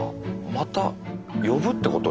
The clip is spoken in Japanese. また呼ぶってこと？